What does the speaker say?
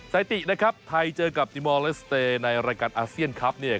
สถิตินะครับไทยเจอกับติมอลเลสเตย์ในรายการอาเซียนครับเนี่ย